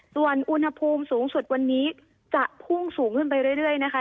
ส่วนอุณหภูมิสูงสุดวันนี้จะพุ่งสูงขึ้นไปเรื่อยนะคะ